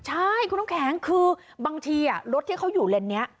ใช่คุณน้ำแข็งคือบางทีรถที่เขาอยู่เลนนี้